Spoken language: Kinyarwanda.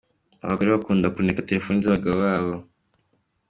Abagore bakunda kuneka telefoni z’abagabo babo